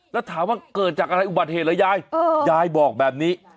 แล้วถามว่าเกิดจากอะไรอุบัติเหตุเหรอยายยายบอกแบบนี้